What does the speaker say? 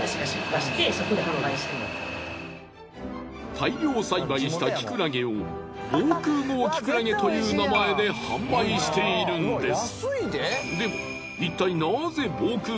大量栽培したきくらげを防空壕きくらげという名前で販売しているんです。